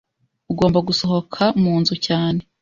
Ugomba gusohoka munzu cyane.